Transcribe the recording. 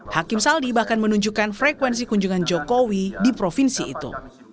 hakim saldi bahkan menunjukkan frekuensi kunjungan jokowi di provinsi itu